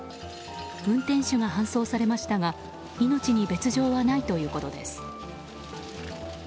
運転手が搬送されましたが命に別条はないということです。